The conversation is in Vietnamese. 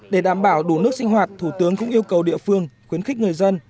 để đảm bảo đủ nước sinh hoạt thủ tướng cũng yêu cầu địa phương khuyến khích người dân